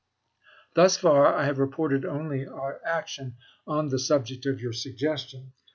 Thus far I have reported only our action on the sub ject of your suggestion.